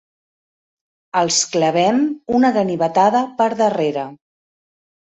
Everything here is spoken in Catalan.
Els clavem una ganivetada per darrere.